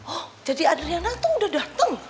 oh jadi adriana tuh udah dateng